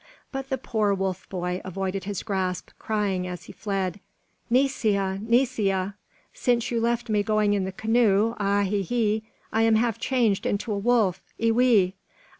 But the poor wolf boy avoided his grasp, crying, as he fled, "Neesia, neesia. Since you left me going in the canoe, a he ee, I am half changed into a wolf, E wee.